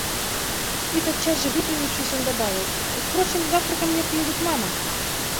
– И, тотчас же выпрямившись, он добавил: – Впрочем, завтра ко мне приедет мама.